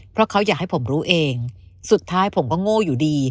เพราะเขาอยากให้ผมรู้เองสุดท้ายผมก็โง่อยู่ดี